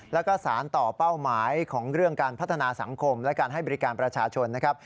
แล้วก็สารต่อเป้าหมายของเรื่องการพัฒนาสังคมและการให้บริการประชาชนนะครับ